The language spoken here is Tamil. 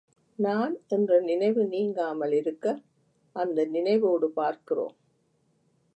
நான் என்ற நினைவு நீங்காமல் இருக்க, அந்த நினைவோடு பார்க்கிறோம்.